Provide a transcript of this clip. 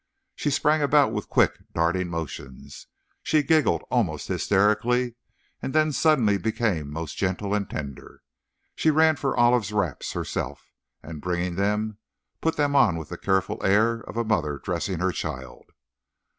She sprang about with quick, darting motions, she giggled almost hysterically and then suddenly became most gentle and tender. She ran for Olive's wraps herself, and bringing them, put them on with the careful air of a mother dressing her child.